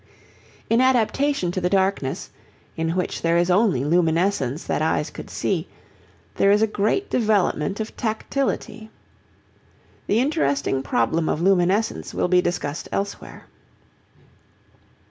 In adaptation to the darkness, in which there is only luminescence that eyes could use, there is a great development of tactility. The interesting problem of luminescence will be discussed elsewhere.